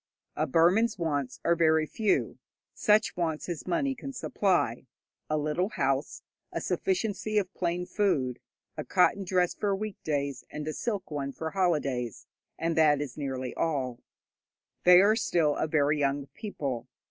A Burman's wants are very few, such wants as money can supply a little house, a sufficiency of plain food, a cotton dress for weekdays and a silk one for holidays, and that is nearly all. They are still a very young people.